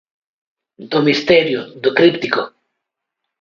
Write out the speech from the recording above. Do misterio, do críptico.